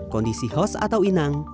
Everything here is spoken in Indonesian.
kondisi host atau inang